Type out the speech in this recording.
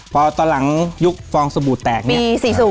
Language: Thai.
พอตอนหลังยุคฟองสบุตแตกเนี่ย